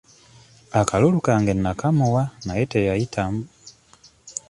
Akalulu kange nnakamuwa naye teyayitamu.